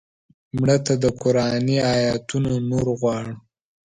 مړه ته د قرآني آیتونو نور غواړو